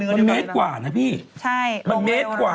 มันเมตรกว่านะพี่มันเมตรกว่า